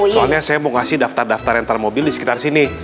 soalnya saya mau kasih daftar daftar entar mobil di sekitar sini